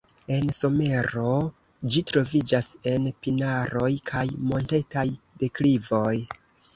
En somero ĝi troviĝas en pinaroj kaj montetaj deklivoj.